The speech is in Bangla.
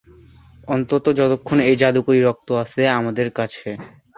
অন্তত যতক্ষণ এই জাদুকরি রক্ত আছে আমাদের কাছে।